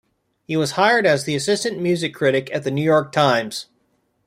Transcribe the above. He was hired as the assistant music critic at "The New York Times".